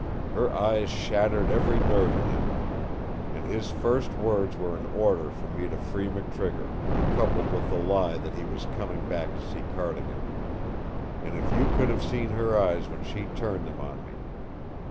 Her eyes shattered every nerve in him. And his first words were an order for me to free McTrigger, coupled with the lie that he was coming back to see Cardigan. And if you could have seen her eyes when she turned them on me!